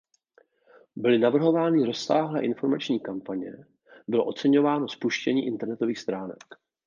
Byly navrhovány rozsáhlé informační kampaně, bylo oceňováno spuštění internetových stránek.